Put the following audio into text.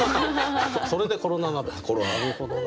それでコロナ鍋なるほどね。